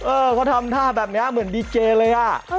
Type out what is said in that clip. เออเขาทำท่าแบบนี้เหมือนดีเจเลยอ่ะ